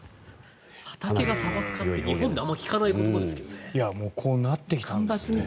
畑が砂漠化って日本ではあまり聞かないですよね。